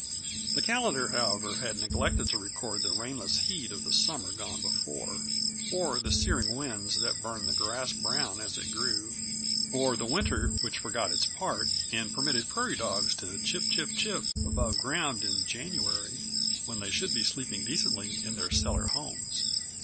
The calendar, however, had neglected to record the rainless heat of the summer gone before, or the searing winds that burned the grass brown as it grew, or the winter which forgot its part and permitted prairie dogs to chip chip chip above ground in January, when they should be sleeping decently in their cellar homes.